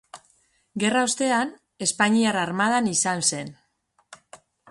Gerra ostean, espainiar armadan izan zen.